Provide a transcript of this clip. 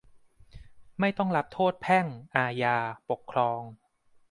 ไม่ต้องรับโทษแพ่ง อาญา ปกครอง